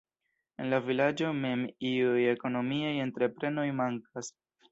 En la vilaĝo mem iuj ekonomiaj entreprenoj mankas.